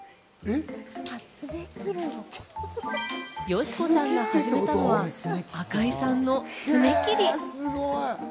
佳子さんが始めたのは、赤井さんの爪切り。